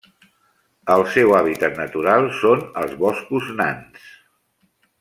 El seu hàbitat natural són els boscos nans.